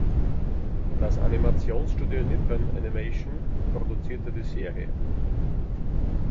Das Animationsstudio Nippon Animation produzierte die Serie.